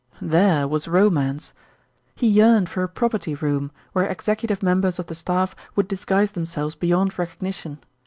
There was romance. He yearned for a "property room," where executive members of the staff would disguise themselves beyond recognition.